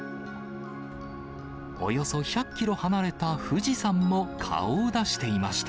およそ１００キロ離れた富士山も顔を出していました。